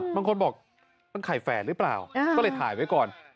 บางคนบอกมันไข่แฝดหรือเปล่าก็เลยถ่ายไว้ก่อน